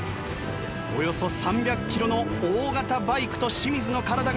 およそ３００キロの大型バイクと清水の体が一心同体。